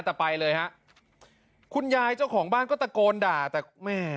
แต่ไปเลยฮะคุณยายเจ้าของบ้านก็ตะโกนด่าแต่แม่